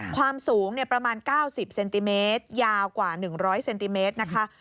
ความสูงประมาณ๙๐เซนติเมตรยาวกว่า๑๐๐เซนติเมตรนะคะ